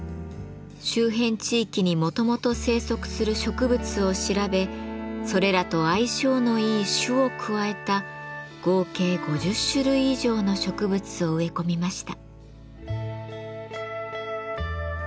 周辺地域にもともと生息する植物を調べそれらと相性のいい種を加えた合計５０種類以上の植物を植え込みました。